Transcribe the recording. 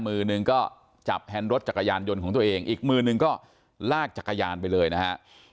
มือหนึ่งก็จับแฮนด์รถจักรยานยนต์ของตัวเองอีกมือนึงก็ลากจักรยานไปเลยนะฮะ